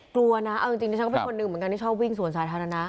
กลัวนะเอาจริงดิฉันก็เป็นคนหนึ่งเหมือนกันที่ชอบวิ่งสวนสาธารณะ